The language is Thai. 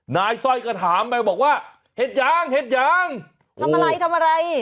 สร้อยก็ถามไปบอกว่าเห็ดยังเห็ดยังทำอะไรทำอะไร